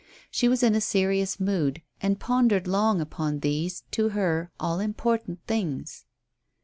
She was in a serious mood, and pondered long upon these, to her, all important things.